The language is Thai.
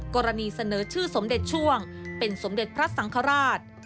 กรณีเสนอชื่อสมเด็จช่วงเป็นสมเด็จพระสังฆราช